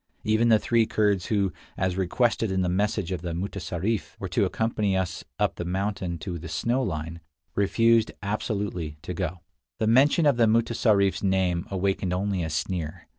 Even the three Kurds who, as requested in the message of the mutessarif, were to accompany us up the mountain to the snow line, refused absolutely to go. The mention of the mutessarif s name awakened only a sneer.